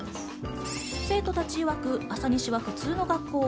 生徒たちいわく朝西は普通の学校。